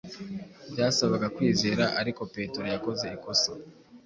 Byasabaga kwizera! Ariko Petero yakoze ikosa,